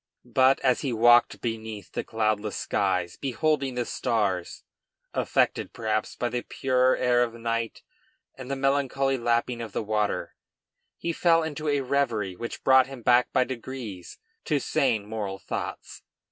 But, as he walked beneath the cloudless skies, beholding the stars, affected perhaps by the purer air of night and the melancholy lapping of the water, he fell into a reverie which brought him back by degrees to sane moral thoughts.